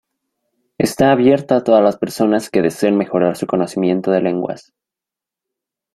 Está abierto a todas las personas que deseen mejorar su conocimiento de lenguas.